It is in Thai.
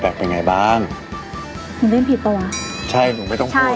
ถามว่าเป็นไงบ้างจริงเป็นผิดป่ะวะใช่หนูไม่ต้องพูด